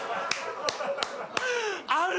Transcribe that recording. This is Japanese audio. ある！